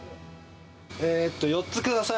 えーと、４つください。